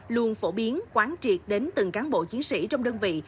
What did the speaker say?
luôn phổ biến quán triệt đến từng cán bộ chiến sĩ trong đơn vị